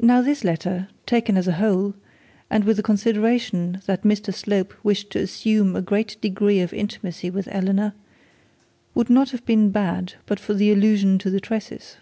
Now this letter, taken as a whole, and with the consideration that Mr Slope wished to assume a great degree of intimacy with Eleanor, would not have been bad, but for the allusion to the tresses.